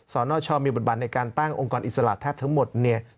สวมีบทบาทในการตั้งองค์กรอิสระทั้งหมด